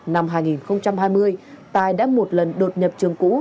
năm hai nghìn hai mươi tài đã một lần đột nhập trường cũ